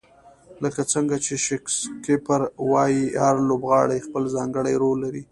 لکه څنګه چې شکسپیر وایي، هر لوبغاړی خپل ځانګړی رول لري.